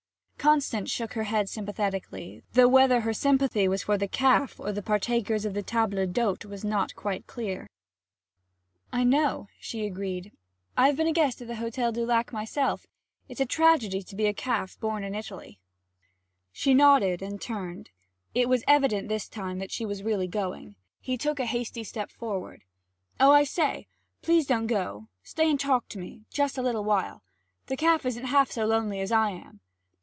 Constance shook her head sympathetically; though whether her sympathy was for the calf or the partakers of table d'hôte was not quite clear. 'I know,' she agreed. 'I've been a guest at the Hotel du Lac myself it's a tragedy to be born a calf in Italy!' She nodded and turned; it was evident this time that she was really going. He took a hasty step forward. 'Oh, I say, please don't go! Stay and talk to me just a little while. That calf isn't half so lonely as I am.'